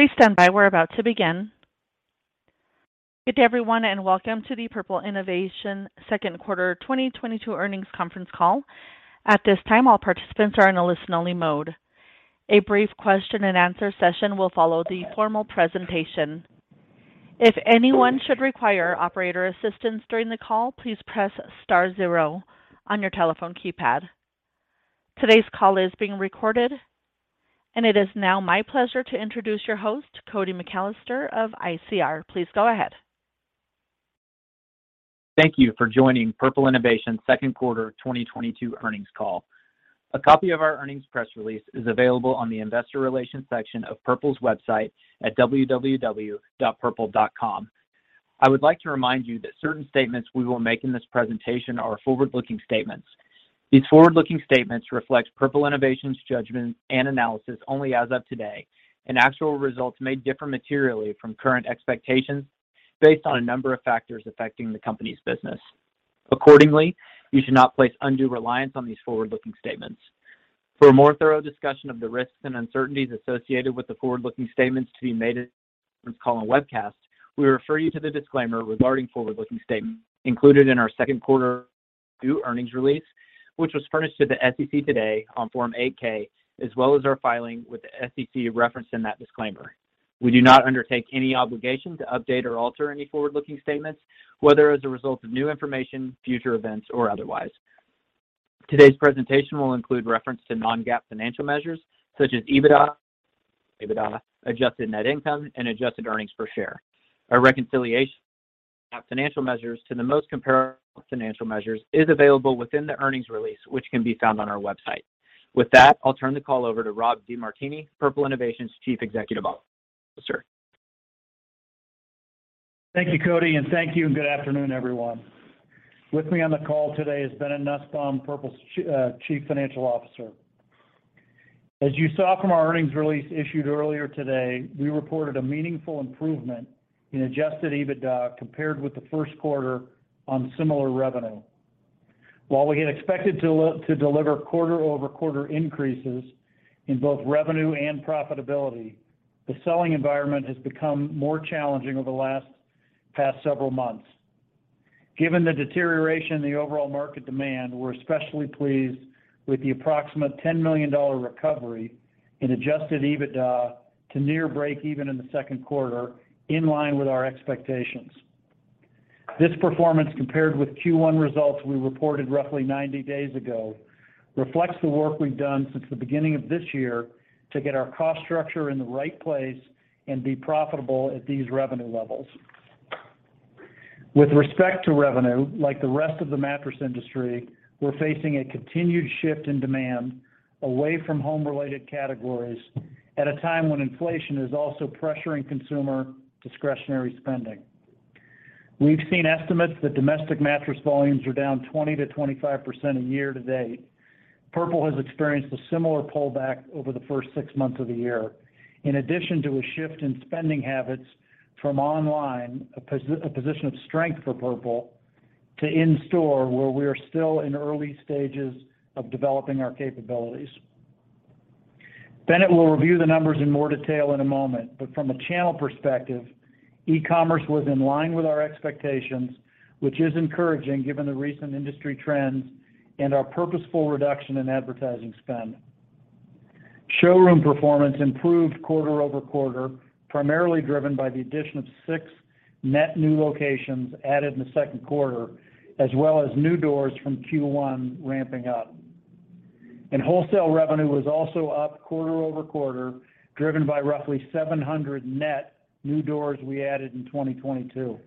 Please stand by. We're about to begin. Good day, everyone, and welcome to the Purple Innovation second quarter 2022 earnings conference call. At this time, all participants are in a listen-only mode. A brief question and answer session will follow the formal presentation. If anyone should require operator assistance during the call, please press star zero on your telephone keypad. Today's call is being recorded. It is now my pleasure to introduce your host, Cody McAlester of ICR. Please go ahead. Thank you for joining Purple Innovation second quarter 2022 earnings call. A copy of our earnings press release is available on the investor relations section of Purple's website at www.purple.com. I would like to remind you that certain statements we will make in this presentation are forward-looking statements. These forward-looking statements reflect Purple Innovation's judgments and analysis only as of today, and actual results may differ materially from current expectations based on a number of factors affecting the company's business. Accordingly, you should not place undue reliance on these forward-looking statements. For a more thorough discussion of the risks and uncertainties associated with the forward-looking statements to be made in this conference call and webcast, we refer you to the disclaimer regarding forward-looking statements included in our second quarter 2022 earnings release, which was furnished to the SEC today on Form 8-K, as well as our filing with the SEC referenced in that disclaimer. We do not undertake any obligation to update or alter any forward-looking statements, whether as a result of new information, future events, or otherwise. Today's presentation will include reference to non-GAAP financial measures, such as EBITDA, adjusted net income, and adjusted earnings per share. Our reconciliation of non-GAAP financial measures to the most comparable financial measures is available within the earnings release, which can be found on our website. With that, I'll turn the call over to Rob DeMartini, Purple Innovation's Chief Executive Officer. Thank you, Cody, and good afternoon, everyone. With me on the call today is Bennett Nussbaum, Purple's Chief Financial Officer. As you saw from our earnings release issued earlier today, we reported a meaningful improvement in adjusted EBITDA compared with the first quarter on similar revenue. While we had expected to deliver quarter-over-quarter increases in both revenue and profitability, the selling environment has become more challenging over the past several months. Given the deterioration in the overall market demand, we're especially pleased with the approximate $10 million recovery in Adjusted EBITDA to near breakeven in the second quarter, in line with our expectations. This performance, compared with Q1 results we reported roughly 90 days ago, reflects the work we've done since the beginning of this year to get our cost structure in the right place and be profitable at these revenue levels. With respect to revenue, like the rest of the mattress industry, we're facing a continued shift in demand away from home-related categories at a time when inflation is also pressuring consumer discretionary spending. We've seen estimates that domestic mattress volumes are down 20%-25% year to date. Purple has experienced a similar pullback over the first six months of the year. In addition to a shift in spending habits from online, a position of strength for Purple, to in-store, where we are still in early stages of developing our capabilities. Bennett will review the numbers in more detail in a moment, but from a channel perspective, e-commerce was in line with our expectations, which is encouraging given the recent industry trends and our purposeful reduction in advertising spend. Showroom performance improved quarter-over-quarter, primarily driven by the addition of six net new locations added in the second quarter, as well as new doors from Q1 ramping up. Wholesale revenue was also up quarter-over-quarter, driven by roughly 700 net new doors we added in 2022.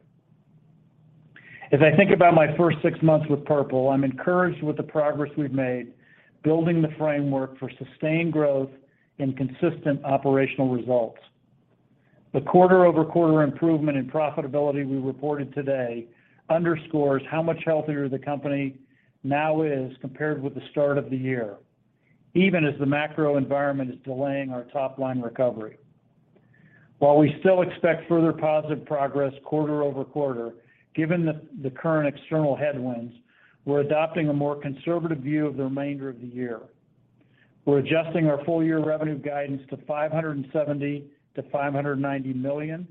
As I think about my first six months with Purple, I'm encouraged with the progress we've made building the framework for sustained growth and consistent operational results. The quarter-over-quarter improvement in profitability we reported today underscores how much healthier the company now is compared with the start of the year, even as the macro environment is delaying our top-line recovery. While we still expect further positive progress quarter-over-quarter, given the current external headwinds, we're adopting a more conservative view of the remainder of the year. We're adjusting our full-year revenue guidance to $570 million-$590 million,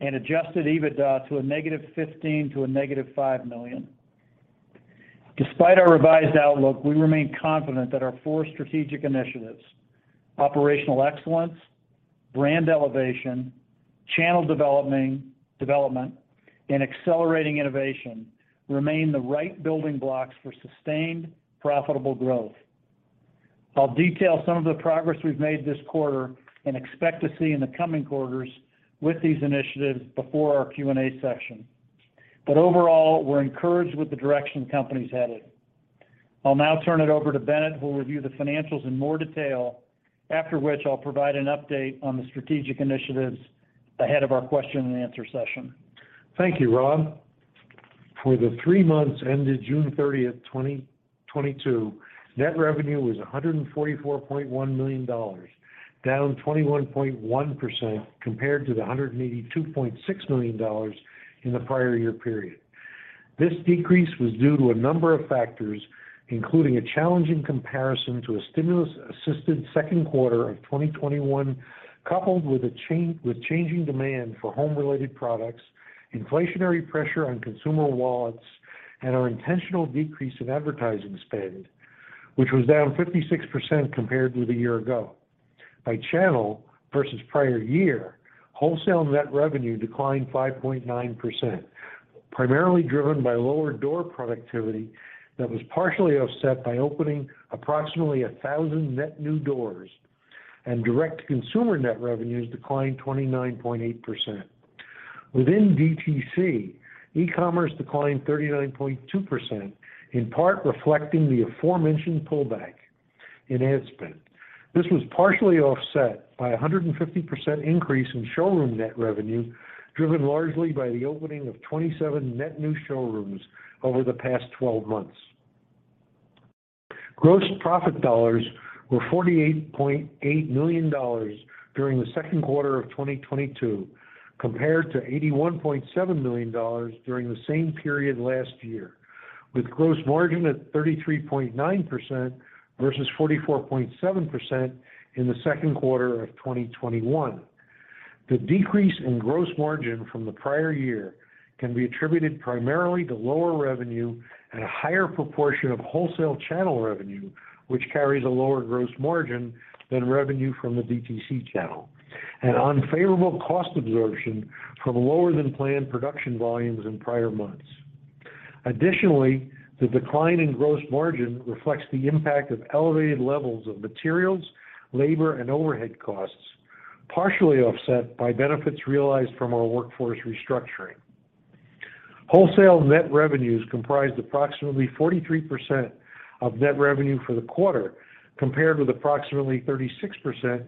and Adjusted EBITDA to -$15 million to -$5 million. Despite our revised outlook, we remain confident that our four strategic initiatives, Operational Excellence, Brand Elevation, Channel Development, and Accelerating Innovation, remain the right building blocks for sustained, profitable growth. I'll detail some of the progress we've made this quarter and expect to see in the coming quarters with these initiatives before our Q&A session. Overall, we're encouraged with the direction the company's headed. I'll now turn it over to Bennett, who will review the financials in more detail. After which, I'll provide an update on the strategic initiatives ahead of our question and answer session. Thank you, Rob. For the three months ended June 30, 2022, net revenue was $144.1 million, down 21.1% compared to the $182.6 million in the prior year period. This decrease was due to a number of factors, including a challenging comparison to a stimulus-assisted second quarter of 2021, coupled with changing demand for home-related products, inflationary pressure on consumer wallets, and our intentional decrease in advertising spend, which was down 56% compared with a year ago. By channel versus prior year, wholesale net revenue declined 5.9%, primarily driven by lower door productivity that was partially offset by opening approximately 1,000 net new doors, and direct-to-consumer net revenues declined 29.8%. Within DTC, e-commerce declined 39.2%, in part reflecting the aforementioned pullback in ad spend. This was partially offset by a 150% increase in showroom net revenue, driven largely by the opening of 27 net new showrooms over the past 12 months. Gross profit dollars were $48.8 million during the second quarter of 2022, compared to $81.7 million during the same period last year, with gross margin at 33.9% versus 44.7% in the second quarter of 2021. The decrease in gross margin from the prior year can be attributed primarily to lower revenue and a higher proportion of wholesale channel revenue, which carries a lower gross margin than revenue from the DTC channel, and unfavorable cost absorption from lower-than-planned production volumes in prior months. Additionally, the decline in gross margin reflects the impact of elevated levels of materials, labor, and overhead costs, partially offset by benefits realized from our workforce restructuring. Wholesale net revenues comprised approximately 43% of net revenue for the quarter, compared with approximately 36%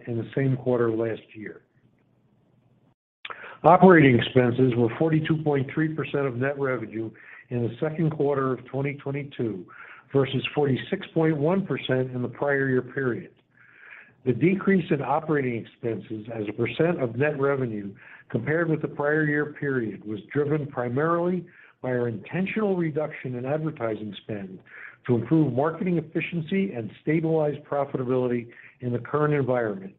in the same quarter last year. Operating expenses were 42.3% of net revenue in the second quarter of 2022 versus 46.1% in the prior year period. The decrease in operating expenses as a percent of net revenue compared with the prior year period was driven primarily by our intentional reduction in advertising spend to improve marketing efficiency and stabilize profitability in the current environment,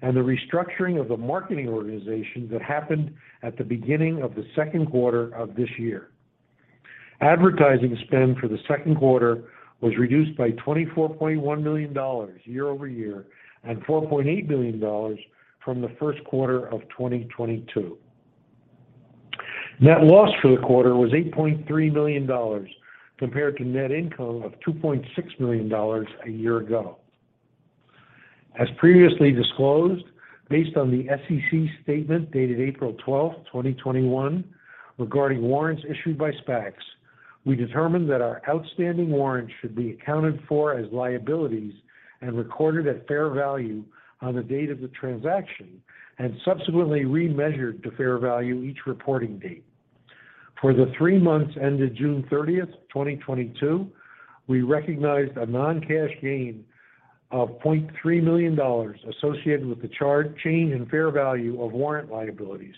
and the restructuring of the marketing organization that happened at the beginning of the second quarter of this year. Advertising spend for the second quarter was reduced by $24.1 million year over year and $4.8 million from the first quarter of 2022. Net loss for the quarter was $8.3 million compared to net income of $2.6 million a year ago. As previously disclosed, based on the SEC statement dated April 12, 2021, regarding warrants issued by SPACs, we determined that our outstanding warrants should be accounted for as liabilities and recorded at fair value on the date of the transaction and subsequently remeasured to fair value each reporting date. For the three months ended June 30, 2022, we recognized a non-cash gain of $0.3 million associated with the change in fair value of warrant liabilities.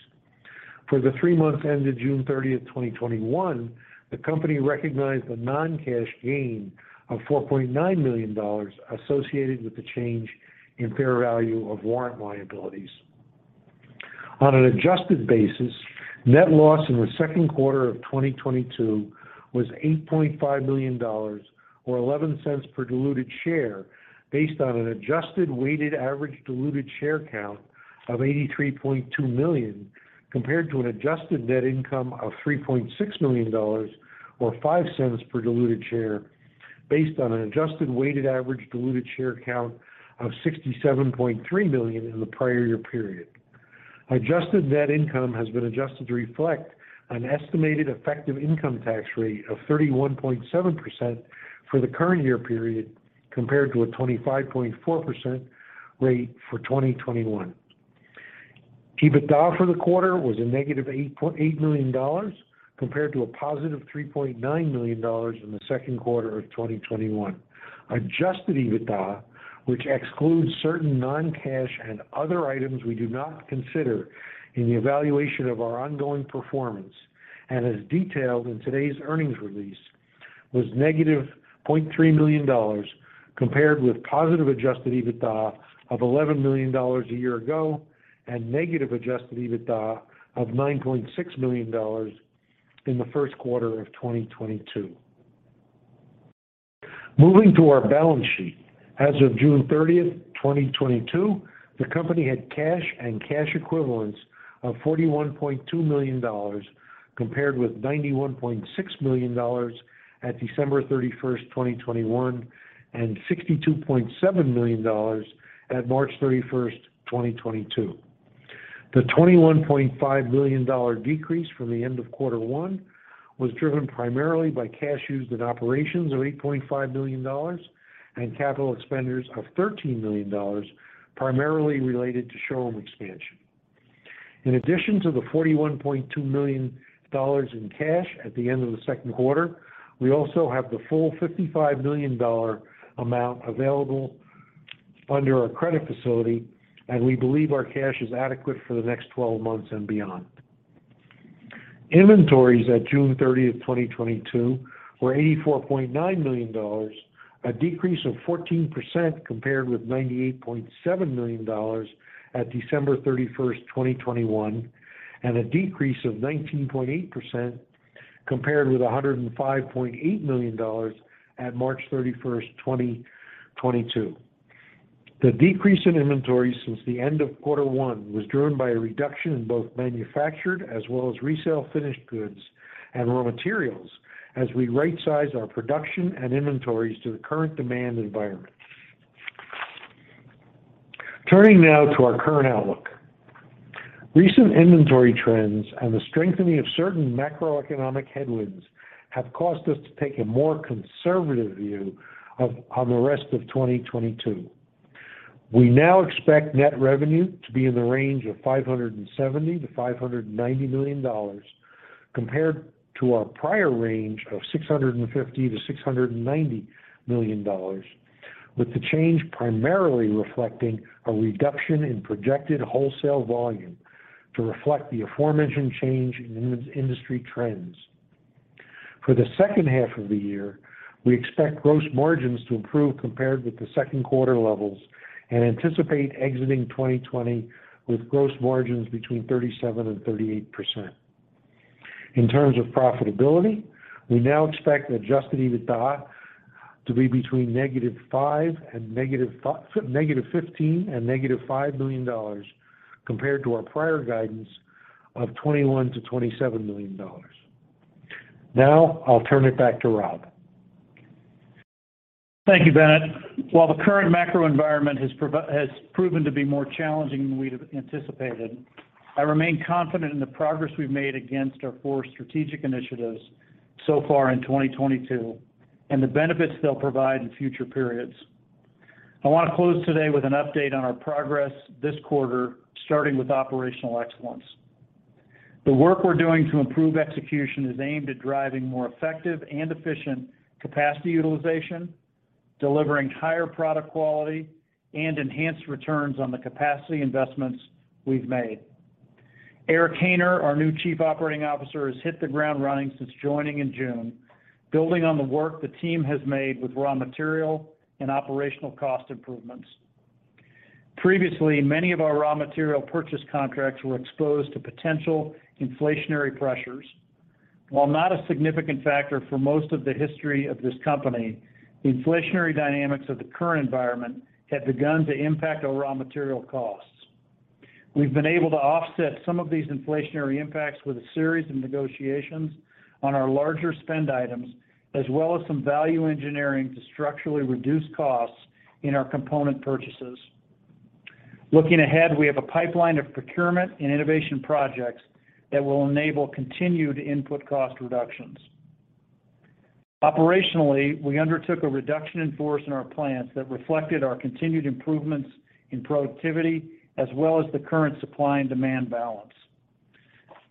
For the three months ended June 30, 2021, the company recognized a non-cash gain of $4.9 million associated with the change in fair value of warrant liabilities. On an adjusted basis, net loss in the second quarter of 2022 was $8.5 million or $0.11 per diluted share based on an adjusted weighted average diluted share count of $83.2 million compared to an adjusted net income of $3.6 million or $0.05 per diluted share based on an adjusted weighted average diluted share count of $67.3 million in the prior year period. Adjusted net income has been adjusted to reflect an estimated effective income tax rate of 31.7% for the current year period compared to a 25.4% rate for 2021. EBITDA for the quarter was -$8 million compared to a +$3.9 million in the second quarter of 2021. Adjusted EBITDA, which excludes certain non-cash and other items we do not consider in the evaluation of our ongoing performance and as detailed in today's earnings release, was -$0.3 million compared with positive Adjusted EBITDA of $11 million a year ago and negative Adjusted EBITDA of $9.6 million in the first quarter of 2022. Moving to our balance sheet, as of June 30, 2022, the company had cash and cash equivalents of $41.2 million compared with $91.6 million at December 31, 2021, and $62.7 million at March 31, 2022. The $21.5 million decrease from the end of quarter one was driven primarily by cash used in operations of $8.5 million and capital expenditures of $13 million, primarily related to showroom expansion. In addition to the $41.2 million in cash at the end of the second quarter, we also have the full $55 million amount available under our credit facility, and we believe our cash is adequate for the next 12 months and beyond. Inventories at June 30, 2022 were $84.9 million, a decrease of 14% compared with $98.7 million at December 31, 2021, and a decrease of 19.8% compared with $105.8 million at March 31, 2022. The decrease in inventory since the end of quarter one was driven by a reduction in both manufactured as well as resale finished goods and raw materials as we right-size our production and inventories to the current demand environment. Turning now to our current outlook. Recent inventory trends and the strengthening of certain macroeconomic headwinds have caused us to take a more conservative view on the rest of 2022. We now expect net revenue to be in the range of $570 million-$590 million compared to our prior range of $650 million-$690 million, with the change primarily reflecting a reduction in projected wholesale volume to reflect the aforementioned change in in-industry trends. For the second half of the year, we expect gross margins to improve compared with the second quarter levels and anticipate exiting 2020 with gross margins between 37%-38%. In terms of profitability, we now expect Adjusted EBITDA to be between -$15 million and -$5 million compared to our prior guidance of $21 million-$27 million. I'll turn it back to Rob. Thank you, Bennett. While the current macro environment has proven to be more challenging than we'd have anticipated, I remain confident in the progress we've made against our four strategic initiatives so far in 2022, and the benefits they'll provide in future periods. I wanna close today with an update on our progress this quarter, starting with operational excellence. The work we're doing to improve execution is aimed at driving more effective and efficient capacity utilization, delivering higher product quality, and enhanced returns on the capacity investments we've made. Eric Haynor, our new Chief Operating Officer, has hit the ground running since joining in June, building on the work the team has made with raw material and operational cost improvements. Previously, many of our raw material purchase contracts were exposed to potential inflationary pressures. While not a significant factor for most of the history of this company, the inflationary dynamics of the current environment had begun to impact our raw material costs. We've been able to offset some of these inflationary impacts with a series of negotiations on our larger spend items, as well as some value engineering to structurally reduce costs in our component purchases. Looking ahead, we have a pipeline of procurement and innovation projects that will enable continued input cost reductions. Operationally, we undertook a reduction in force in our plants that reflected our continued improvements in productivity, as well as the current supply and demand balance.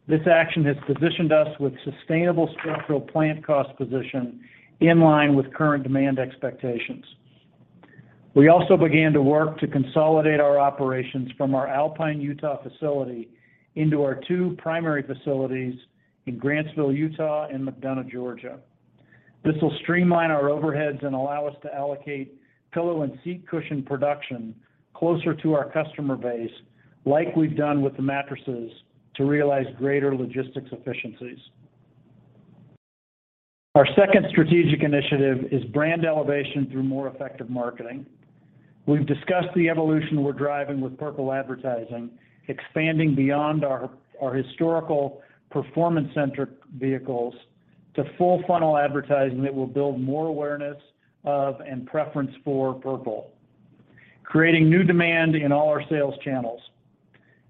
This action has positioned us with sustainable structural plant cost position in line with current demand expectations. We also began to work to consolidate our operations from our Alpine, Utah facility into our two primary facilities in Grantsville, Utah, and McDonough, Georgia. This will streamline our overheads and allow us to allocate pillow and seat cushion production closer to our customer base like we've done with the mattresses to realize greater logistics efficiencies. Our second strategic initiative is brand elevation through more effective marketing. We've discussed the evolution we're driving with Purple advertising, expanding beyond our historical performance-centric vehicles to full funnel advertising that will build more awareness of and preference for Purple, creating new demand in all our sales channels.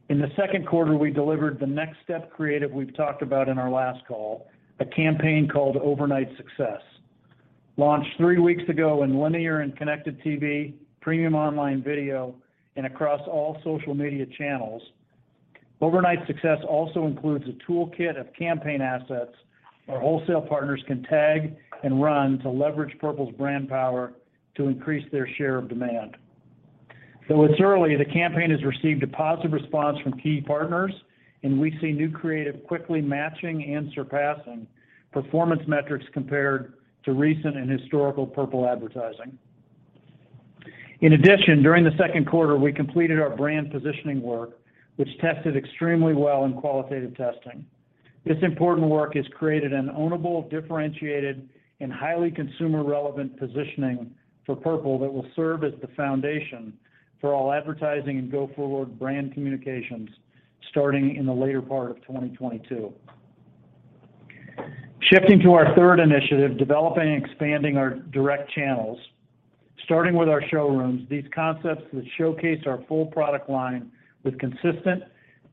In the second quarter, we delivered the next step creative we've talked about in our last call, a campaign called Overnight Success. Launched three weeks ago in linear and connected TV, premium online video, and across all social media channels, Overnight Success also includes a toolkit of campaign assets our wholesale partners can tag and run to leverage Purple's brand power to increase their share of demand. Though it's early, the campaign has received a positive response from key partners, and we see new creative quickly matching and surpassing performance metrics compared to recent and historical Purple advertising. In addition, during the second quarter, we completed our brand positioning work, which tested extremely well in qualitative testing. This important work has created an ownable, differentiated, and highly consumer-relevant positioning for Purple that will serve as the foundation for all advertising and go-forward brand communications starting in the later part of 2022. Shifting to our third initiative, developing and expanding our direct channels. Starting with our showrooms, these concepts that showcase our full product line with consistent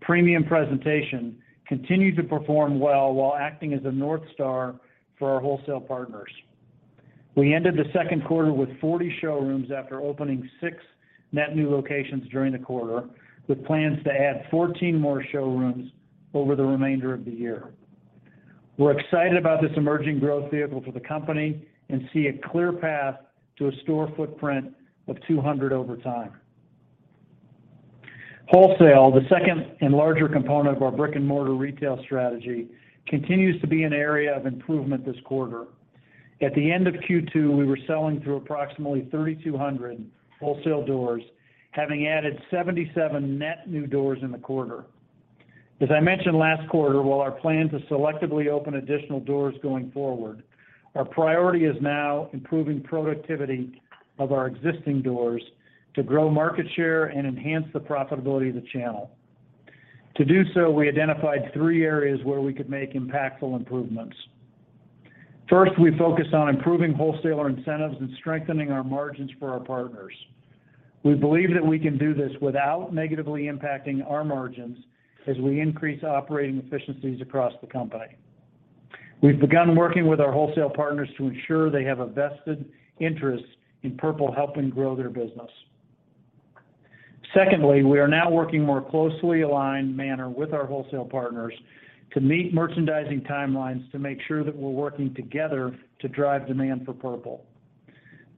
premium presentation continue to perform well while acting as a North Star for our wholesale partners. We ended the second quarter with 40 showrooms after opening 6 net new locations during the quarter, with plans to add 14 more showrooms over the remainder of the year. We're excited about this emerging growth vehicle for the company and see a clear path to a store footprint of 200 over time. Wholesale, the second and larger component of our brick-and-mortar retail strategy, continues to be an area of improvement this quarter. At the end of Q2, we were selling through approximately 3,200 wholesale doors, having added 77 net new doors in the quarter. As I mentioned last quarter, while our plan to selectively open additional doors going forward, our priority is now improving productivity of our existing doors to grow market share and enhance the profitability of the channel. To do so, we identified three areas where we could make impactful improvements. First, we focused on improving wholesaler incentives and strengthening our margins for our partners. We believe that we can do this without negatively impacting our margins as we increase operating efficiencies across the company. We've begun working with our wholesale partners to ensure they have a vested interest in Purple helping grow their business. Secondly, we are now working in a more closely aligned manner with our wholesale partners to meet merchandising timelines to make sure that we're working together to drive demand for Purple.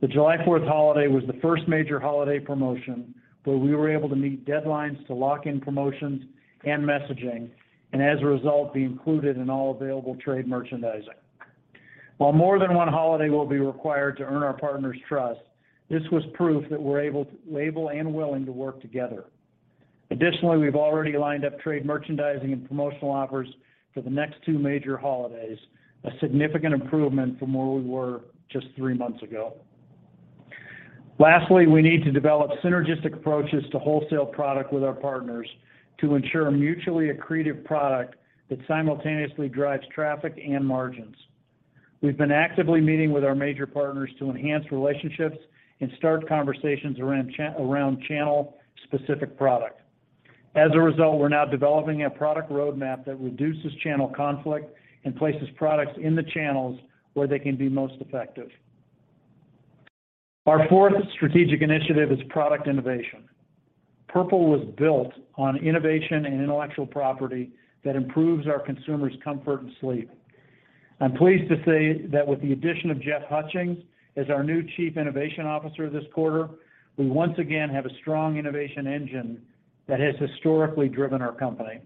The July 4th holiday was the first major holiday promotion where we were able to meet deadlines to lock in promotions and messaging, and as a result, be included in all available trade merchandising. While more than one holiday will be required to earn our partners' trust, this was proof that we're able and willing to work together. Additionally, we've already lined up trade merchandising and promotional offers for the next two major holidays, a significant improvement from where we were just three months ago. Lastly, we need to develop synergistic approaches to wholesale product with our partners to ensure mutually accretive product that simultaneously drives traffic and margins. We've been actively meeting with our major partners to enhance relationships and start conversations around channel-specific product. As a result, we're now developing a product roadmap that reduces channel conflict and places products in the channels where they can be most effective. Our fourth strategic initiative is Product Innovation. Purple was built on innovation and intellectual property that improves our consumers' comfort and sleep. I'm pleased to say that with the addition of Jeff Hutchings as our new chief innovation officer this quarter, we once again have a strong innovation engine that has historically driven our company.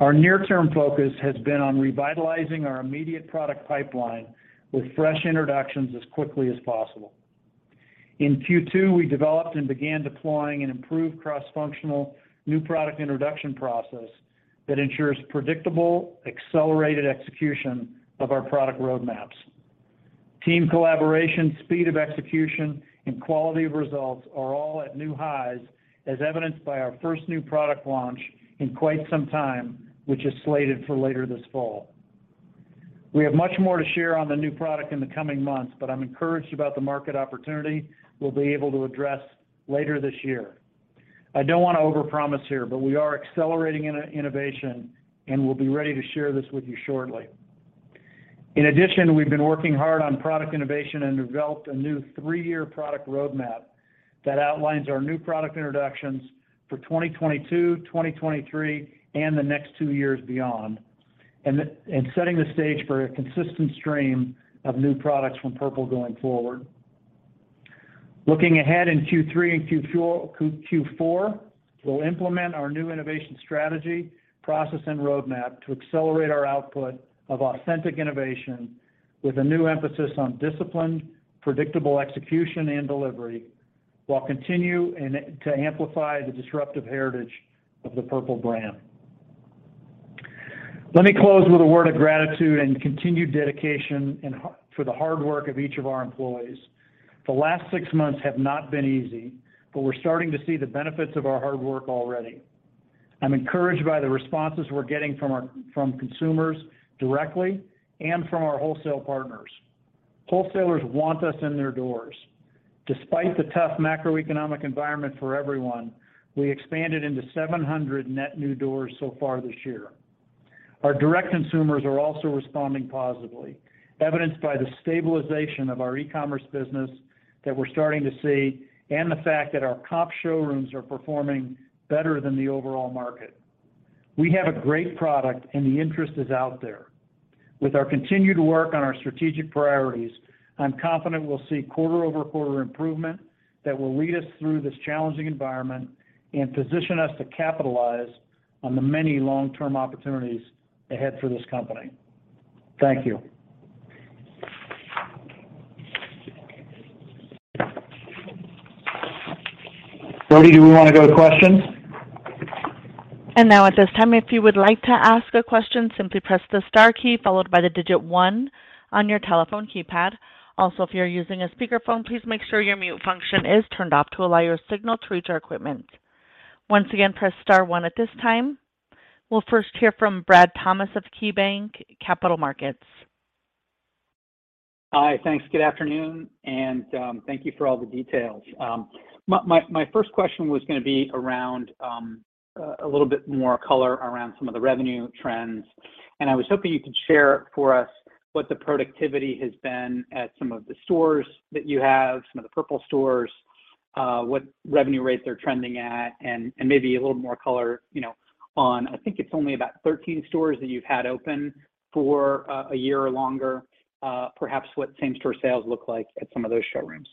Our near-term focus has been on revitalizing our immediate product pipeline with fresh introductions as quickly as possible. In Q2, we developed and began deploying an improved cross-functional new product introduction process that ensures predictable, accelerated execution of our product roadmaps. Team collaboration, speed of execution, and quality of results are all at new highs, as evidenced by our first new product launch in quite some time, which is slated for later this fall. We have much more to share on the new product in the coming months, but I'm encouraged about the market opportunity we'll be able to address later this year. I don't wanna overpromise here, but we are accelerating innovation, and we'll be ready to share this with you shortly. In addition, we've been working hard on Product Innovation and developed a new three-year product roadmap that outlines our new product introductions for 2022, 2023, and the next two years beyond, setting the stage for a consistent stream of new products from Purple going forward. Looking ahead in Q3 and Q4, we'll implement our new innovation strategy, process, and roadmap to accelerate our output of authentic innovation with a new emphasis on disciplined, predictable execution and delivery, while continuing to amplify the disruptive heritage of the Purple brand. Let me close with a word of gratitude and continued dedication for the hard work of each of our employees. The last six months have not been easy, but we're starting to see the benefits of our hard work already. I'm encouraged by the responses we're getting from consumers directly and from our wholesale partners. Wholesalers want us in their doors. Despite the tough macroeconomic environment for everyone, we expanded into 700 net new doors so far this year. Our direct consumers are also responding positively, evidenced by the stabilization of our e-commerce business that we're starting to see and the fact that our comp showrooms are performing better than the overall market. We have a great product, and the interest is out there. With our continued work on our strategic priorities, I'm confident we'll see quarter-over-quarter improvement that will lead us through this challenging environment and position us to capitalize on the many long-term opportunities ahead for this company. Thank you. Brody, do we wanna go to questions? Now at this time, if you would like to ask a question, simply press the star key followed by the digit one on your telephone keypad. Also, if you're using a speakerphone, please make sure your mute function is turned off to allow your signal to reach our equipment. Once again, press star one at this time. We'll first hear from Brad Thomas of KeyBanc Capital Markets. Hi. Thanks. Good afternoon, and thank you for all the details. My first question was gonna be around a little bit more color around some of the revenue trends, and I was hoping you could share for us what the productivity has been at some of the stores that you have, some of the Purple stores. What revenue rates they're trending at and maybe a little more color, you know, on, I think it's only about 13 stores that you've had open for a year or longer, perhaps what same-store sales look like at some of those showrooms?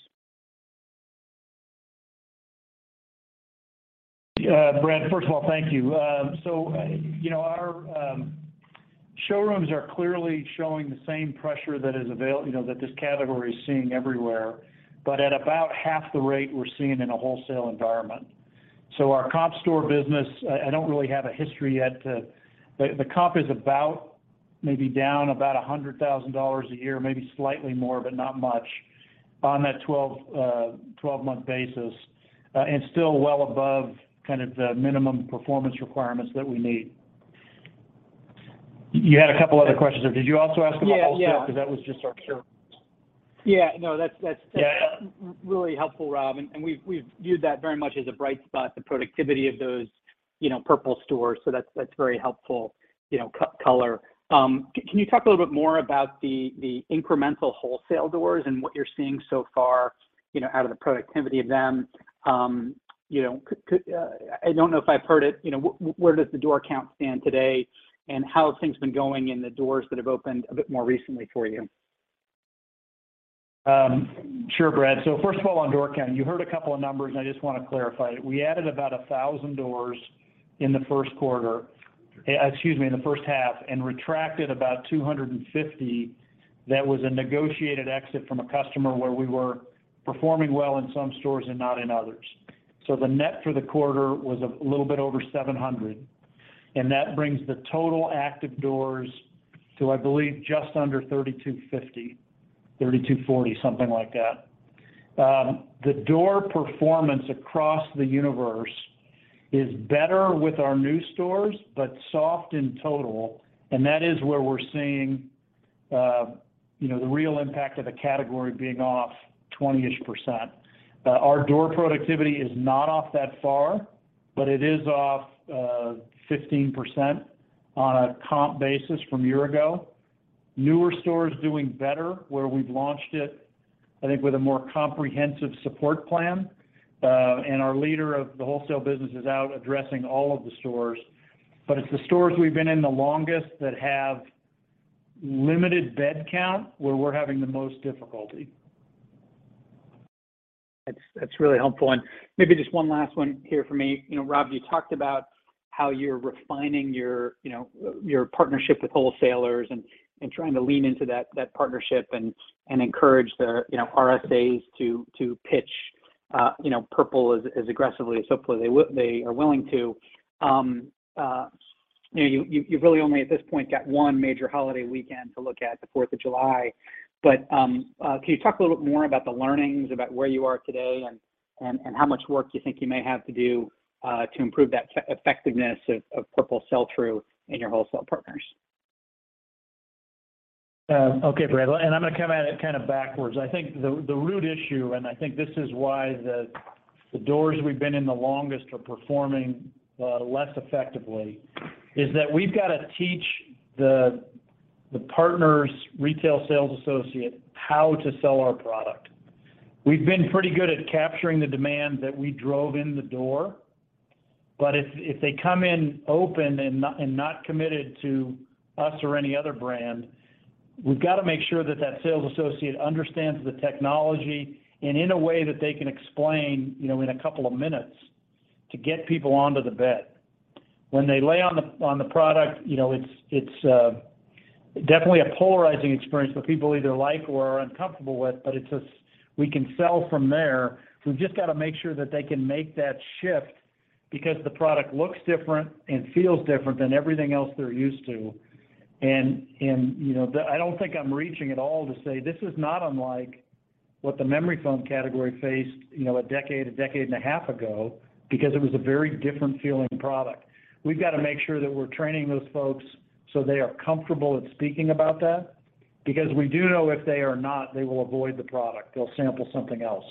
Brad, first of all, thank you. You know, our showrooms are clearly showing the same pressure that this category is seeing everywhere, but at about half the rate we're seeing in a wholesale environment. Our comp store business, I don't really have a history yet. The comp is about maybe down about $100,000 a year, maybe slightly more, but not much on that 12-month basis, and still well above kind of the minimum performance requirements that we need. You had a couple other questions. Did you also ask about wholesale? Yeah. Yeah. Because that was just our showrooms. Yeah. No, that's. Yeah Really helpful, Rob. We've viewed that very much as a bright spot, the productivity of those, you know, Purple stores. That's very helpful, you know, color. Can you talk a little bit more about the incremental wholesale doors and what you're seeing so far, you know, out of the productivity of them? I don't know if I've heard it, you know, where does the door count stand today, and how have things been going in the doors that have opened a bit more recently for you? Sure, Brad. First of all, on door count, you heard a couple of numbers, and I just wanna clarify it. We added about 1,000 doors in the first half, and retracted about 250. That was a negotiated exit from a customer where we were performing well in some stores and not in others. The net for the quarter was a little bit over 700, and that brings the total active doors to, I believe, just under 3,250, 3,240, something like that. The door performance across the universe is better with our new stores, but soft in total, and that is where we're seeing the real impact of the category being off 20%-ish. Our door productivity is not off that far, but it is off 15% on a comp basis from a year ago. Newer stores doing better where we've launched it, I think, with a more comprehensive support plan. Our leader of the wholesale business is out addressing all of the stores, but it's the stores we've been in the longest that have limited bed count where we're having the most difficulty. That's really helpful. Maybe just one last one here from me. Rob, you talked about how you're refining your partnership with wholesalers and trying to lean into that partnership and encourage their RSAs to pitch Purple as aggressively as hopefully they are willing to. You've really only at this point got one major holiday weekend to look at, the 4th of July. Can you talk a little bit more about the learnings about where you are today and how much work you think you may have to do to improve that effectiveness of Purple sell-through in your wholesale partners? Okay, Brad. I'm gonna come at it kind of backwards. I think the root issue, and I think this is why the doors we've been in the longest are performing less effectively, is that we've gotta teach the partner's retail sales associate how to sell our product. We've been pretty good at capturing the demand that we drove in the door, but if they come in open and not committed to us or any other brand, we've gotta make sure that that sales associate understands the technology and in a way that they can explain, you know, in a couple of minutes to get people onto the bed. When they lay on the product, you know, it's definitely a polarizing experience where people either like or are uncomfortable with, but we can sell from there. We've just gotta make sure that they can make that shift because the product looks different and feels different than everything else they're used to. I don't think I'm reaching at all to say this is not unlike what the memory foam category faced, you know, a decade and a half ago, because it was a very different feeling product. We've gotta make sure that we're training those folks, so they are comfortable at speaking about that. We do know if they are not, they will avoid the product. They'll sample something else.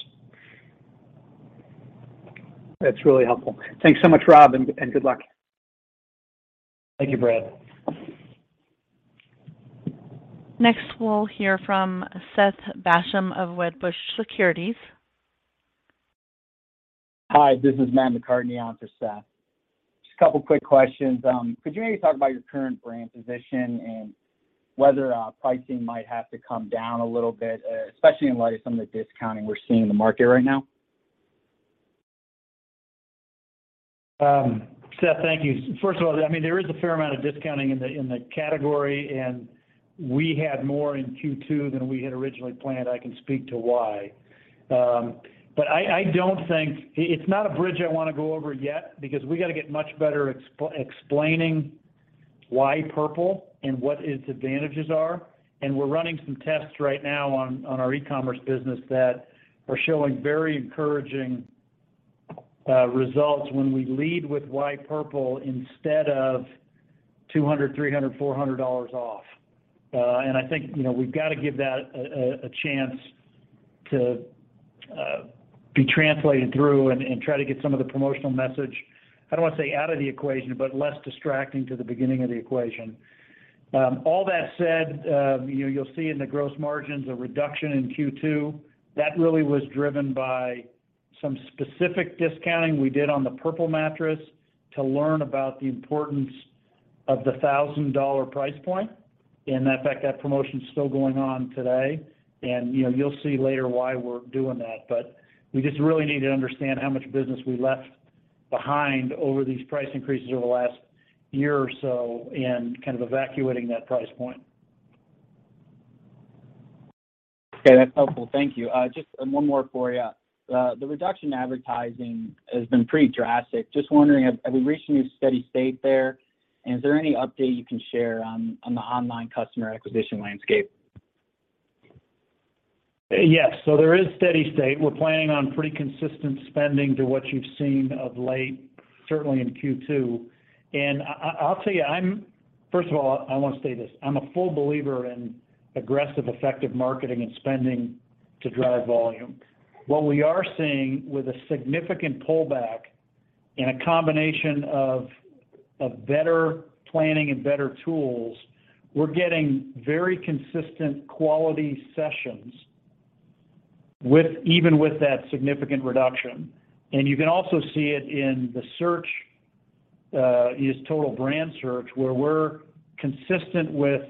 That's really helpful. Thanks so much, Rob, and good luck. Thank you, Brad. Next, we'll hear from Seth Basham of Wedbush Securities. Hi, this is Blake McCarthy on for Seth. Just a couple quick questions. Could you maybe talk about your current brand position and whether pricing might have to come down a little bit, especially in light of some of the discounting we're seeing in the market right now? Seth, thank you. First of all, I mean, there is a fair amount of discounting in the category, and we had more in Q2 than we had originally planned. I can speak to why. But I don't think it's a bridge I wanna go over yet because we gotta get much better explaining why Purple and what its advantages are. We're running some tests right now on our e-commerce business that are showing very encouraging results when we lead with why Purple instead of $200, $300, $400 off. I think, you know, we've gotta give that a chance to be translated through and try to get some of the promotional message. I don't wanna say out of the equation, but less distracting to the beginning of the equation. All that said, you'll see in the gross margins a reduction in Q2. That really was driven by some specific discounting we did on the Purple mattress to learn about the importance of the $1,000 price point. In fact, that promotion's still going on today, and, you know, you'll see later why we're doing that. We just really need to understand how much business we left behind over these price increases over the last year or so in kind of evacuating that price point. Okay, that's helpful. Thank you. Just one more for you. The reduction in advertising has been pretty drastic. Just wondering, have we reached a new steady state there? Is there any update you can share on the online customer acquisition landscape? Yes. There is steady state. We're planning on pretty consistent spending to what you've seen of late, certainly in Q2. I'll tell you. First of all, I want to say this, I'm a full believer in aggressive, effective marketing and spending to drive volume. What we are seeing with a significant pullback and a combination of better planning and better tools, we're getting very consistent quality sessions with even with that significant reduction. You can also see it in the search is total brand search, where we're consistent with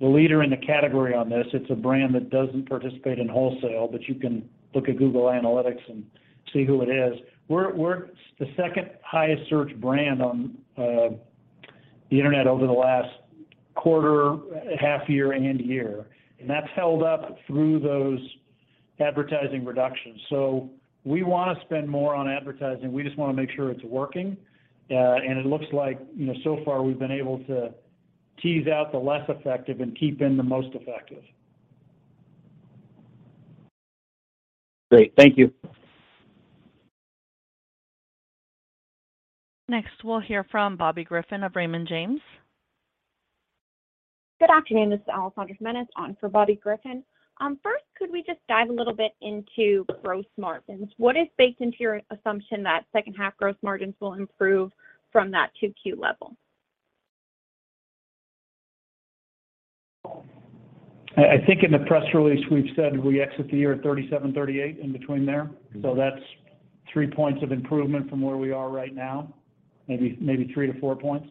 the leader in the category on this. It's a brand that doesn't participate in wholesale, but you can look at Google Analytics and see who it is. We're the second highest search brand on the internet over the last quarter, half year, and end of year, and that's held up through those advertising reductions. We wanna spend more on advertising. We just wanna make sure it's working. It looks like, you know, so far we've been able to tease out the less effective and keep in the most effective. Great. Thank you. Next, we'll hear from Bobby Griffin of Raymond James. Good afternoon, this is Alessandra Jimenez on for Bobby Griffin. First could we just dive a little bit into gross margins? What is baked into your assumption that second half gross margins will improve from that 2Q level? I think in the press release we've said we exit the year at 37-38, in between there. That's three points of improvement from where we are right now. Maybe three to four points.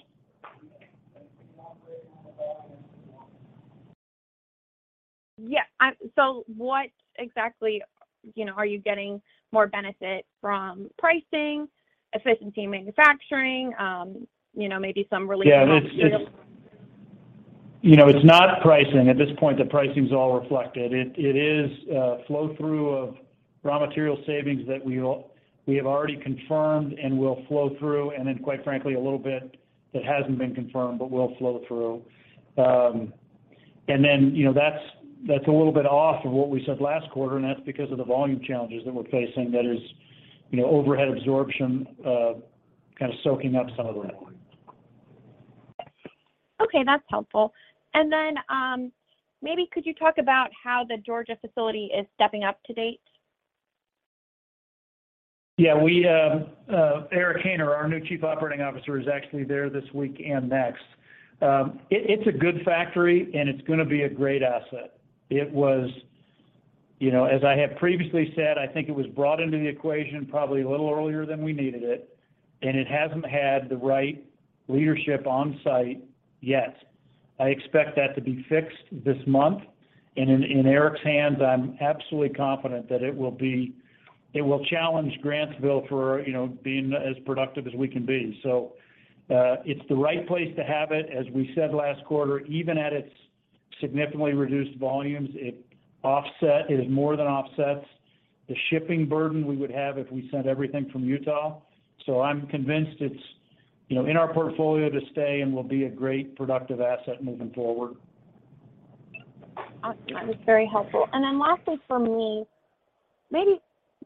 Yeah. What exactly? You know, are you getting more benefit from pricing, efficiency in manufacturing, you know, maybe some relief in raw material? Yeah. You know, it's not pricing. At this point, the pricing's all reflected. It is flow-through of raw material savings that we have already confirmed and will flow through, and then quite frankly, a little bit that hasn't been confirmed but will flow through. You know, that's a little bit off of what we said last quarter, and that's because of the volume challenges that we're facing, that is, you know, overhead absorption kind of soaking up some of the revenue. Okay, that's helpful. Maybe could you talk about how the Georgia facility is stepping up to date? Yeah. We Eric Haynor, our new Chief Operating Officer, is actually there this week and next. It's a good factory and it's gonna be a great asset. It was. You know, as I have previously said, I think it was brought into the equation probably a little earlier than we needed it, and it hasn't had the right leadership on site yet. I expect that to be fixed this month. In Eric's hands, I'm absolutely confident that it will challenge Grantsville for, you know, being as productive as we can be. It's the right place to have it. As we said last quarter, even at its significantly reduced volumes, it more than offsets the shipping burden we would have if we sent everything from Utah. I'm convinced it's, you know, in our portfolio to stay and will be a great productive asset moving forward. Awesome. That was very helpful. Lastly for me, maybe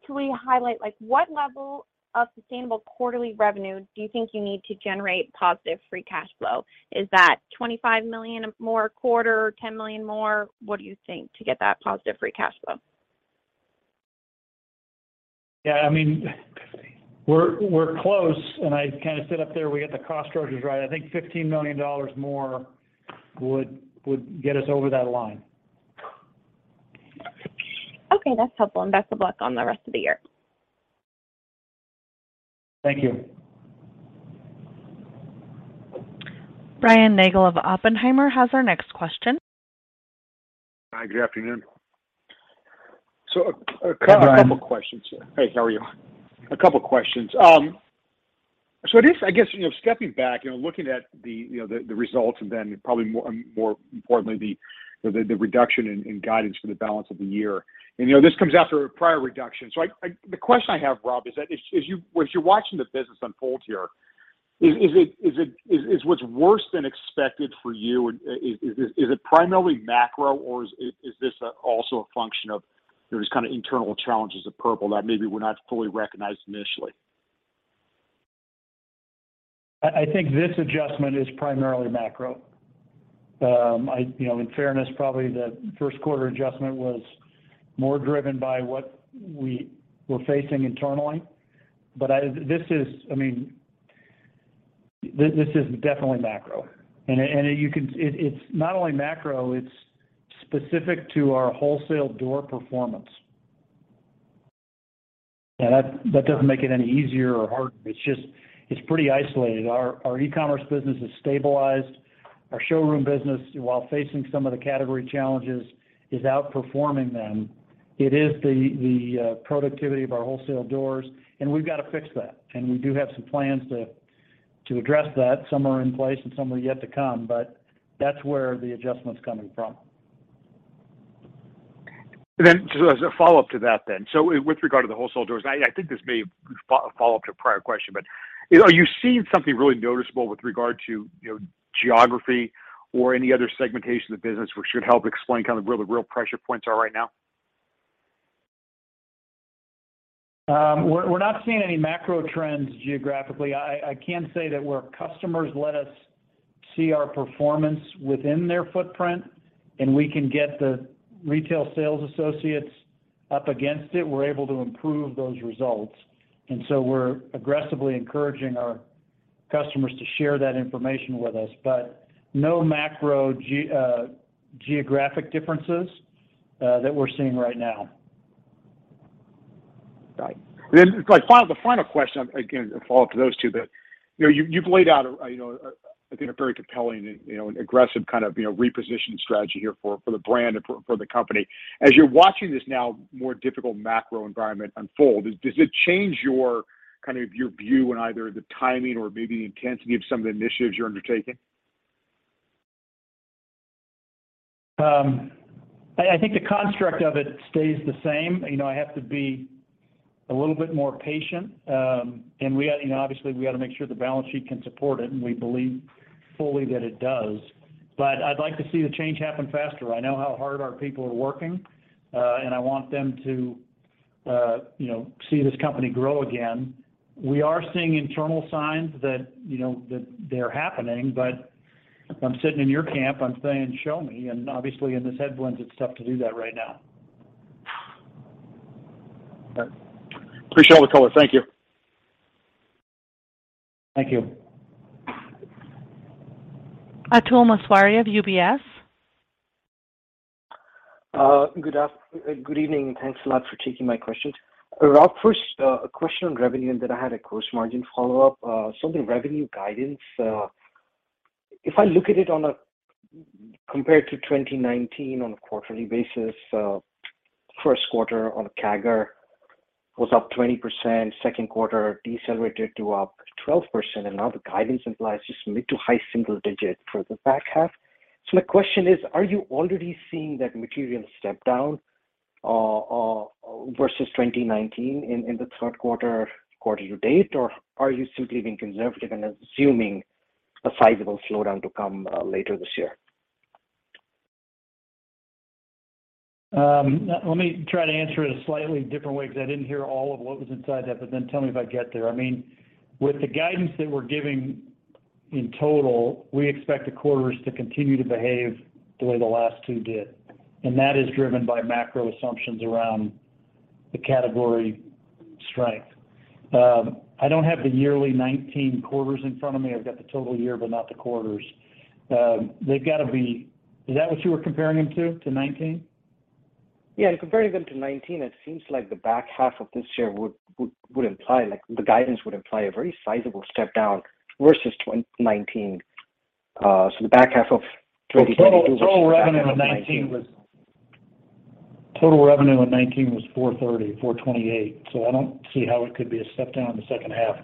can we highlight, like, what level of sustainable quarterly revenue do you think you need to generate positive free cash flow? Is that $25 million more a quarter, $10 million more? What do you think to get that positive free cash flow? Yeah, I mean, we're close, and I kind of said up there we hit the cross charges right. I think $15 million more would get us over that line. Okay, that's helpful. Best of luck on the rest of the year. Thank you. Brian Nagel of Oppenheimer has our next question. Hi, good afternoon. Hi, Brian. A couple questions. Hey, how are you? A couple questions. I guess, you know, stepping back, you know, looking at the results and then probably more importantly the reduction in guidance for the balance of the year. You know, this comes after a prior reduction. The question I have, Rob, is that as you're watching the business unfold here, is it what's worse than expected for you, is it primarily macro or is this also a function of there's kind of internal challenges at Purple that maybe were not fully recognized initially? I think this adjustment is primarily macro. You know, in fairness, probably the first quarter adjustment was more driven by what we were facing internally. This is, I mean, this is definitely macro. It's not only macro, it's specific to our wholesale door performance. That doesn't make it any easier or harder. It's just pretty isolated. Our e-commerce business is stabilized. Our showroom business, while facing some of the category challenges, is outperforming them. It is the productivity of our wholesale doors, and we've gotta fix that. We do have some plans to address that. Some are in place, and some are yet to come. That's where the adjustment's coming from. Just as a follow-up to that. With regard to the wholesale doors, I think this may follow up to a prior question. You know, are you seeing something really noticeable with regard to, you know, geography or any other segmentation of the business which should help explain kind of where the real pressure points are right now? We're not seeing any macro trends geographically. I can say that where customers let us see our performance within their footprint, and we can get the retail sales associates up against it, we're able to improve those results. We're aggressively encouraging our customers to share that information with us. No macro geographic differences that we're seeing right now. Got it. Like, the final question, again, a follow-up to those two. You know, you've laid out a, you know, a, I think, a very compelling and, you know, and aggressive kind of, you know, reposition strategy here for the brand and for the company. As you're watching this now more difficult macro environment unfold, does it change your view on either the timing or maybe the intensity of some of the initiatives you're undertaking? I think the construct of it stays the same. You know, I have to be a little bit more patient. We, you know, obviously we gotta make sure the balance sheet can support it, and we believe fully that it does. I'd like to see the change happen faster. I know how hard our people are working, and I want them to, you know, see this company grow again. We are seeing internal signs that, you know, that they're happening. If I'm sitting in your camp, I'm saying, "Show me." Obviously in this headwinds, it's tough to do that right now. All right. Appreciate all the color. Thank you. Thank you. Atul Maheswari of UBS. Good evening, and thanks a lot for taking my questions. Rob, first, a question on revenue, and then I had a gross margin follow-up. So the revenue guidance, if I look at it compared to 2019 on a quarterly basis, first quarter on a CAGR was up 20%. Second quarter decelerated to up 12%. Now the guidance implies just mid- to high-single digit for the back half. My question is, are you already seeing that material step down versus 2019 in the third quarter quarter-to-date? Or are you simply being conservative and assuming a sizable slowdown to come later this year? Let me try to answer it a slightly different way because I didn't hear all of what was inside that, but then tell me if I get there. I mean, with the guidance that we're giving in total, we expect the quarters to continue to behave the way the last two did. That is driven by macro assumptions around the category strength. I don't have the 2019 quarters in front of me. I've got the total year, but not the quarters. They've gotta be. Is that what you were comparing them to 2019? Yeah, comparing them to 2019, it seems like the back half of this year would imply, like the guidance would imply a very sizable step down versus 2019, so the back half of 2020 versus the back half of 2019. Total revenue in 2019 was $430, $428, so I don't see how it could be a step down in the second half.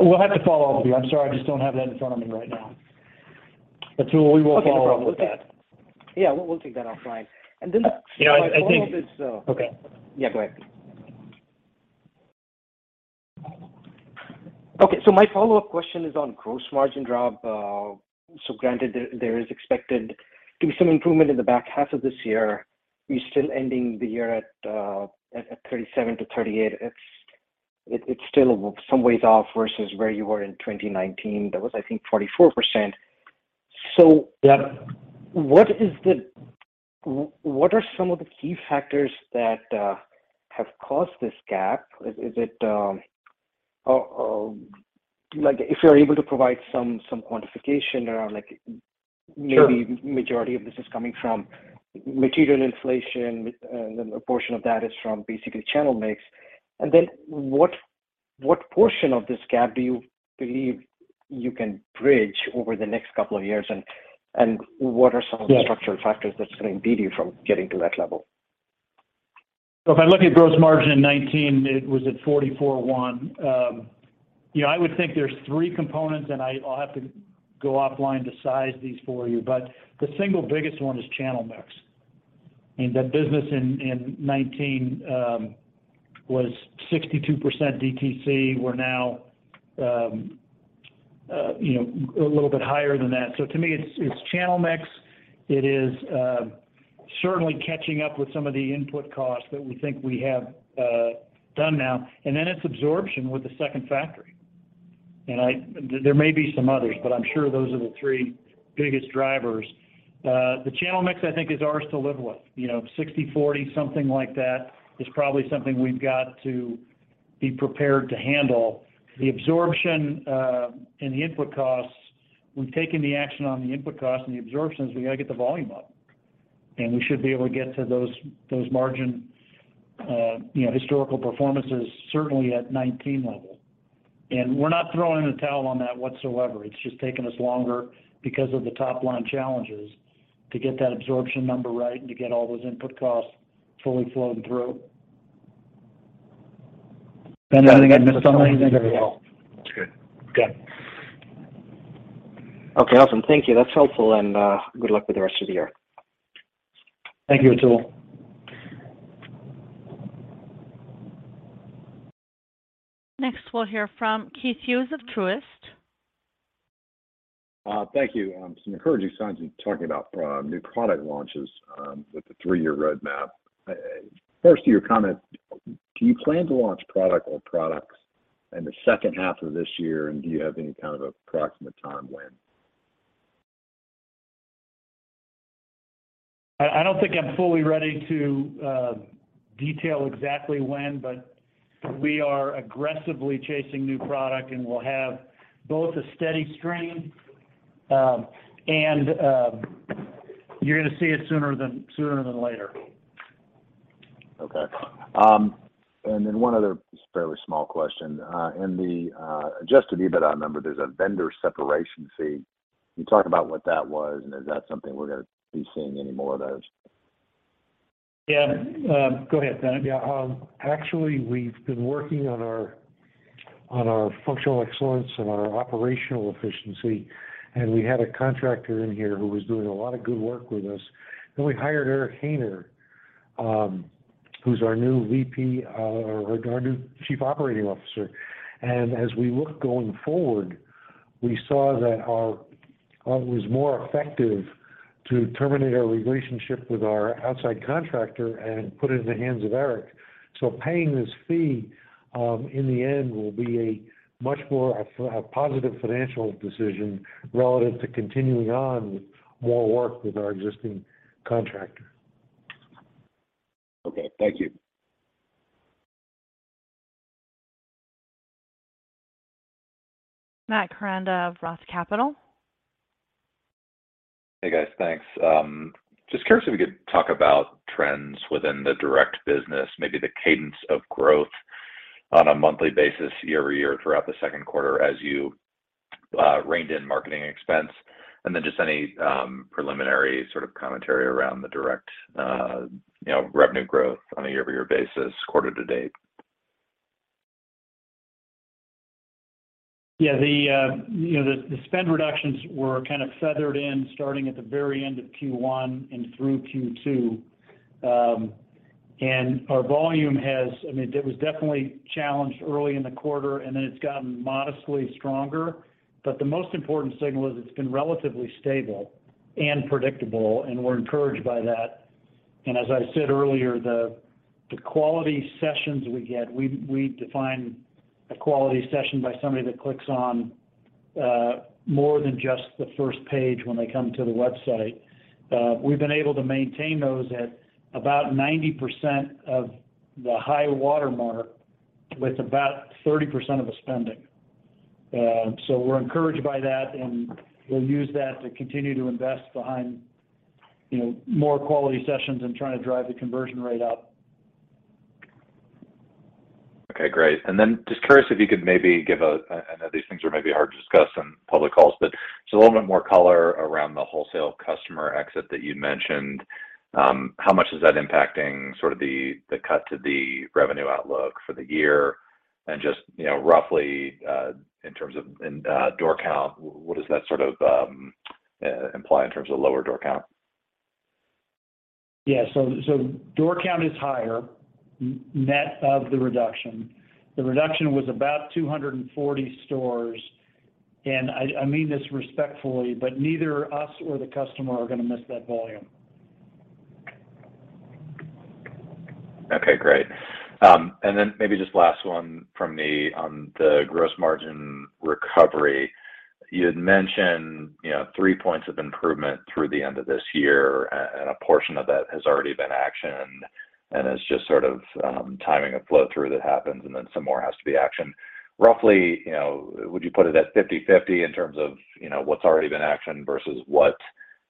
We'll have to follow up with you. I'm sorry, I just don't have that in front of me right now. We will follow up with that. Okay, no problem. Yeah, we'll take that offline. Then my follow-up is, You know, I think. Okay. Yeah, go ahead. Okay, my follow-up question is on gross margin, Rob. Granted there is expected to be some improvement in the back half of this year. You're still ending the year at 37%-38%. It's still some ways off versus where you were in 2019. That was, I think, 44%. What are some of the key factors that have caused this gap? Is it like if you're able to provide some quantification around like- Sure Maybe majority of this is coming from material inflation, and a portion of that is from basically channel mix. What portion of this gap do you believe you can bridge over the next couple of years, and what are some of the structural factors that's gonna impede you from getting to that level? If I look at gross margin in 2019, it was at 44.1%. I would think there's three components, and I'll have to go offline to size these for you, but the single biggest one is channel mix. I mean, the business in 2019 was 62% DTC. We're now a little bit higher than that. To me, it's channel mix. It is certainly catching up with some of the input costs that we think we have down now, and then it's absorption with the second factory. There may be some others, but I'm sure those are the three biggest drivers. The channel mix, I think, is ours to live with. 60/40, something like that, is probably something we've got to be prepared to handle. The absorption and the input costs, we've taken the action on the input costs and the absorption is we gotta get the volume up. We're not throwing in the towel on that whatsoever. It's just taking us longer because of the top line challenges to get that absorption number right, and to get all those input costs fully flowing through. Ben, did I miss something? No, I think that's very well. That's good. Okay. Okay, awesome. Thank you. That's helpful, and good luck with the rest of the year. Thank you, Atul. Next, we'll hear from Keith Hughes of Truist. Thank you. Some encouraging signs in talking about new product launches with the three-year roadmap. First to your comment, do you plan to launch product or products in the second half of this year? Do you have any kind of approximate time when? I don't think I'm fully ready to detail exactly when, but we are aggressively chasing new product, and we'll have both a steady stream, and you're gonna see it sooner than later. Okay. One other just fairly small question. In the Adjusted EBITDA number, there's a vendor separation fee. Can you talk about what that was? And is that something we're gonna be seeing any more of those? Yeah. Go ahead, Bennett. Yeah. Actually, we've been working on our functional excellence and our operational efficiency, and we had a contractor in here who was doing a lot of good work with us. We hired Eric Haynor, who's our new VP or our new Chief Operating Officer. As we look going forward, we saw that it was more effective to terminate our relationship with our outside contractor and put it in the hands of Eric. Paying this fee in the end will be a much more positive financial decision relative to continuing on with more work with our existing contractor. Okay. Thank you. Matt Koranda of Roth Capital. Hey, guys. Thanks. Just curious if we could talk about trends within the direct business, maybe the cadence of growth on a monthly basis year-over-year throughout the second quarter as you reined in marketing expense. Just any preliminary sort of commentary around the direct, you know, revenue growth on a year-over-year basis quarter-to-date? Yeah. The, you know, the spend reductions were kind of feathered in starting at the very end of Q1 and through Q2. Our volume I mean, it was definitely challenged early in the quarter, and then it's gotten modestly stronger. The most important signal is it's been relatively stable and predictable, and we're encouraged by that. As I said earlier, the quality sessions we get, we define a quality session by somebody that clicks on more than just the first page when they come to the website. We've been able to maintain those at about 90% of the high-water mark with about 30% of the spending. We're encouraged by that, and we'll use that to continue to invest behind, you know, more quality sessions and trying to drive the conversion rate up. Okay, great. Just curious if you could maybe give, I know these things are maybe hard to discuss on public calls, but just a little bit more color around the wholesale customer exit that you'd mentioned. How much is that impacting sort of the cut to the revenue outlook for the year? Just, you know, roughly in terms of door count, what does that sort of imply in terms of lower door count? So door count is higher net of the reduction. The reduction was about 240 stores. I mean this respectfully, but neither us or the customer are gonna miss that volume. Okay, great. Maybe just last one from me on the gross margin recovery. You had mentioned, you know, 3 points of improvement through the end of this year, and a portion of that has already been actioned and is just sort of, timing of flow through that happens, and then some more has to be actioned. Roughly, you know, would you put it at 50/50 in terms of, you know, what's already been actioned versus what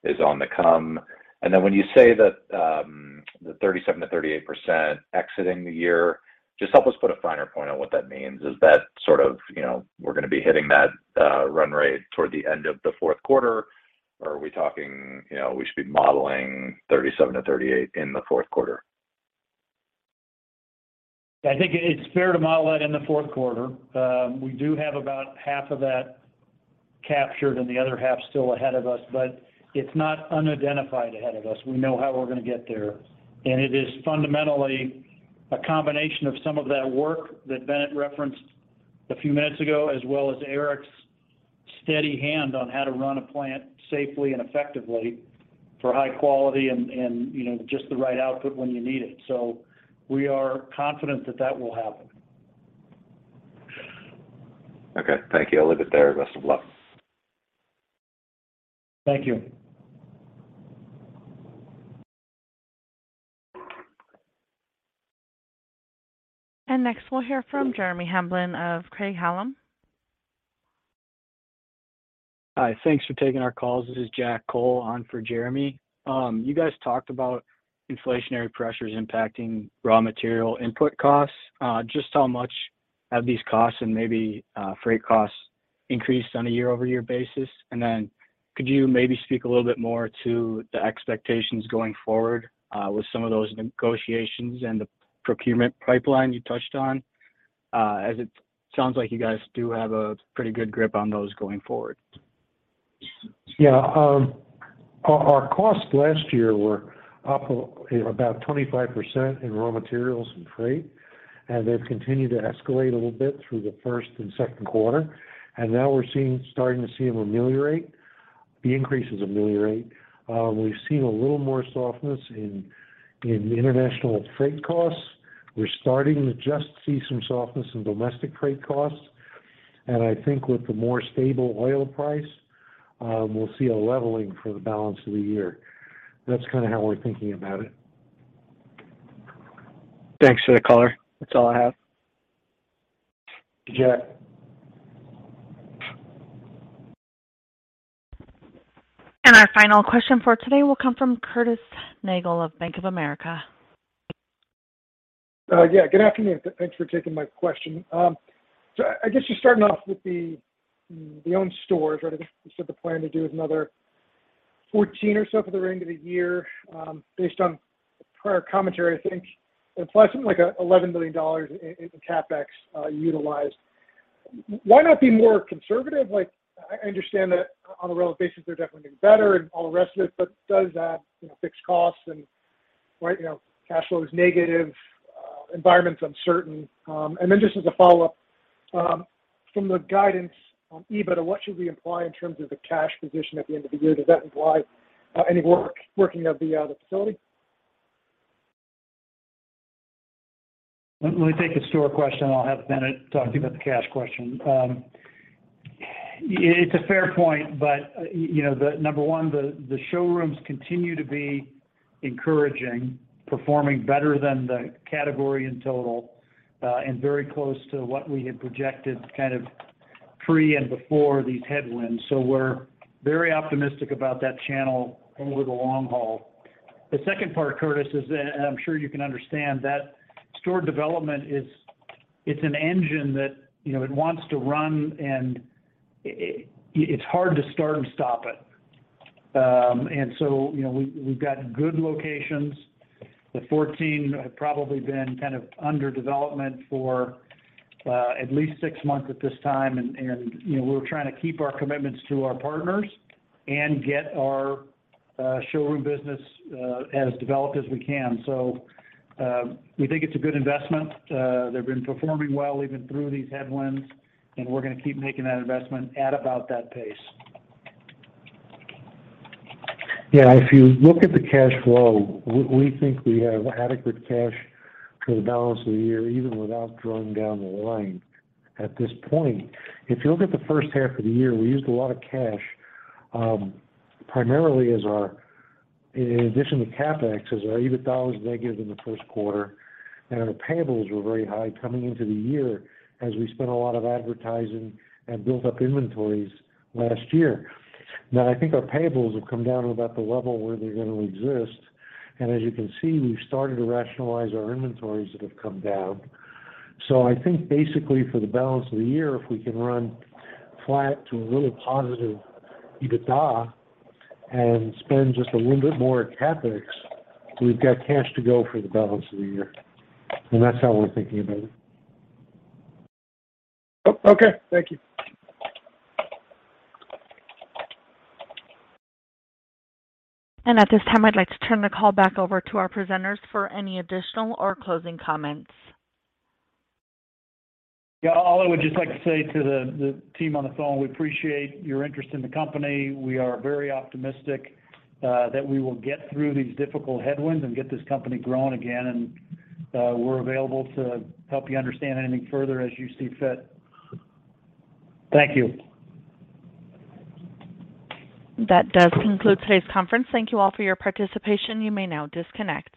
is on the come? And then when you say that, the 37%-38% exiting the year, just help us put a finer point on what that means. Is that sort of, you know, we're gonna be hitting that run rate toward the end of the fourth quarter? Or are we talking, you know, we should be modeling 37%-38% in the fourth quarter? I think it's fair to model that in the fourth quarter. We do have about half of that captured and the other half still ahead of us. It's not unidentified ahead of us. We know how we're gonna get there. It is fundamentally a combination of some of that work that Bennett referenced a few minutes ago, as well as Eric's steady hand on how to run a plant safely and effectively for high quality and, you know, just the right output when you need it. We are confident that that will happen. Okay. Thank you. I'll leave it there. Best of luck. Thank you. Next, we'll hear from Jeremy Hamblin of Craig-Hallum. Hi. Thanks for taking our calls. This is Jack Cole on for Jeremy. You guys talked about inflationary pressures impacting raw material input costs. Just how much have these costs and maybe freight costs increased on a year-over-year basis? Could you maybe speak a little bit more to the expectations going forward with some of those negotiations and the procurement pipeline you touched on? As it sounds like you guys do have a pretty good grip on those going forward. Yeah, our costs last year were up about 25% in raw materials and freight, and they've continued to escalate a little bit through the first and second quarter. Now we're starting to see them ameliorate. The increases ameliorate. We've seen a little more softness in international freight costs. We're starting to just see some softness in domestic freight costs. I think with the more stable oil price, we'll see a leveling for the balance of the year. That's kinda how we're thinking about it. Thanks for the color. That's all I have. Jack. Our final question for today will come from Curtis Nagle of Bank of America. Yeah, good afternoon. Thanks for taking my question. So I guess just starting off with the our own stores, right? I guess you said the plan to do is another 14 or so for the remainder of the year, based on prior commentary, I think, and plus something like $11 billion in CapEx utilized. Why not be more conservative? Like, I understand that on a relative basis they're definitely getting better and all the rest of it, but does that, you know, fixed costs and right, you know, cash flow is negative, environment's uncertain. Then just as a follow-up, from the guidance on EBITDA, what should we imply in terms of the cash position at the end of the year? Does that imply any working of the facility? Let me take the store question, and I'll have Bennett talk to you about the cash question. It's a fair point, but you know, number one, the showrooms continue to be encouraging, performing better than the category in total, and very close to what we had projected kind of pre and before these headwinds. We're very optimistic about that channel over the long haul. The second part, Curtis, is that, and I'm sure you can understand, that store development is, it's an engine that, you know, it wants to run and it's hard to start and stop it. You know, we've got good locations. The 14 have probably been kind of under development for at least six months at this time. You know, we're trying to keep our commitments to our partners and get our showroom business as developed as we can. We think it's a good investment. They've been performing well even through these headwinds, and we're gonna keep making that investment at about that pace. Yeah. If you look at the cash flow, we think we have adequate cash for the balance of the year, even without drawing down the line at this point. If you look at the first half of the year, we used a lot of cash, primarily, in addition to CapEx, as our EBITDA was negative in the first quarter, and our payables were very high coming into the year as we spent a lot of advertising and built up inventories last year. Now, I think our payables have come down to about the level where they're gonna exist. As you can see, we've started to rationalize our inventories that have come down. I think basically for the balance of the year, if we can run flat to a really positive EBITDA and spend just a little bit more at CapEx, we've got cash to go for the balance of the year. That's how we're thinking about it. Okay. Thank you. At this time, I'd like to turn the call back over to our presenters for any additional or closing comments. Yeah. All I would just like to say to the team on the phone, we appreciate your interest in the company. We are very optimistic that we will get through these difficult headwinds and get this company growing again. We're available to help you understand anything further as you see fit. Thank you. That does conclude today's conference. Thank you all for your participation. You may now disconnect.